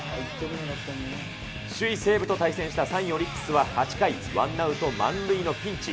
首位西武と対戦した３位オリックスは８回、１アウト満塁のピンチ。